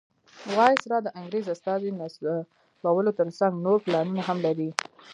وایسرا د انګریز استازي نصبولو تر څنګ نور پلانونه هم لري.